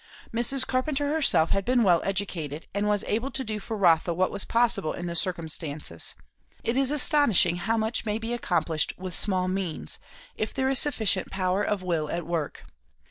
Mrs. Carpenter herself had been well educated; and so was able to do for Rotha what was possible in the circumstances. It is astonishing how much may be accomplished with small means, if there is sufficient power of will at work.